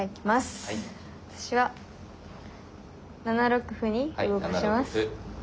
７六歩に動かします。